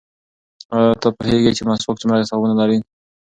ایا ته پوهېږې چې مسواک څومره ثوابونه لري؟